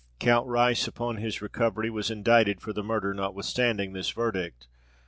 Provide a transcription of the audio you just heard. Count Rice, upon his recovery, was indicted for the murder notwithstanding this verdict.